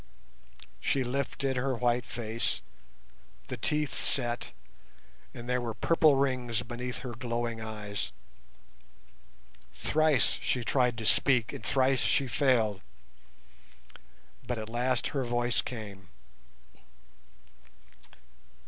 She lifted her white face, the teeth set, and there were purple rings beneath her glowing eyes. Thrice she tried to speak and thrice she failed, but at last her voice came.